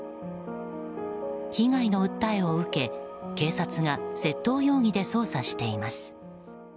被害の訴えを受け警察が窃盗容疑で捜査しています。